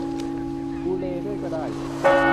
ดูเรย์ด้วยก็ได้